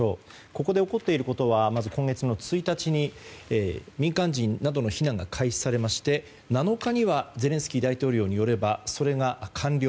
ここで起こっていることはまず今月１日に民間人などの避難が開始されまして、７日にはゼレンスキー大統領によればそれが完了。